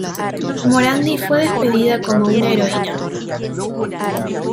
Morandi fue despedida como una heroína.